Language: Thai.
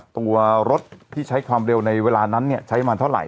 ตัวรถที่ใช้ความเร็วในเวลานั้นใช้มาเท่าไห